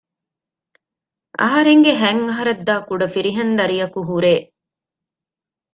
އަހަރެންގެ ހަތް އަހަރަށްދާ ކުޑަ ފިރިހެން ދަރިއަކު ހުރޭ